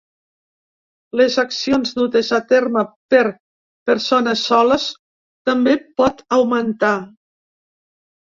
Les accions dutes a terme per persones ‘soles’ també pot augmentar.